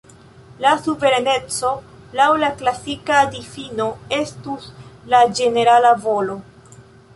La Suvereneco laŭ la klasika difino estus la ĝenerala volo.